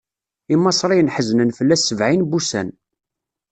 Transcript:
Imaṣriyen ḥeznen fell-as sebɛin n wussan.